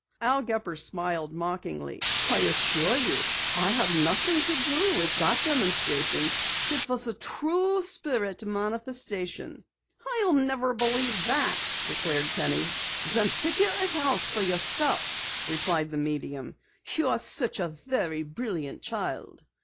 Al Gepper smiled mockingly. "I assure you I had nothing to do with that demonstration. It was a true spirit manifestation." "I'll never believe that," declared Penny. "Then figure it out for yourself," replied the medium. "You are such a very brilliant child."